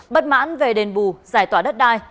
bất mãn về đền bù giải tỏa đất đai